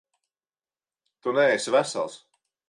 Tu neesi vesels.